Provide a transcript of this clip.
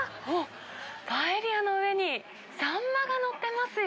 パエリアの上にサンマが載ってますよ。